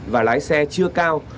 và lái xe chưa cao